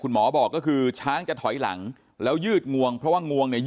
หมอบอกก็คือช้างจะถอยหลังแล้วยืดงวงเพราะว่างวงเนี่ย